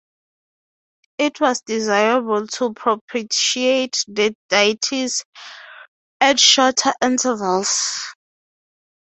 It was desirable to propitiate the deities at shorter intervals.